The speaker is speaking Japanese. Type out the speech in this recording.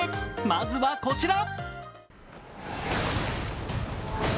まずはこちら。